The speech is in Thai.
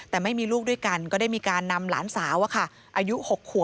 แต่ไม่มีลูกด้วยกันก็ได้มีการนำหลานสาวอายุ๖ขัว